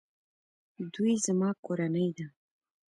دوی زما کورنۍ ده